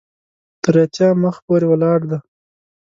تر اتیا مخ پورې ولاړ دی.